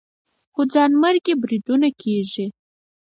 خو ځانمرګي بریدونه کېږي